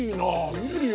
見えるよ